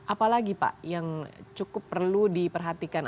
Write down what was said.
apalagi pak yang cukup perlu diperhatikan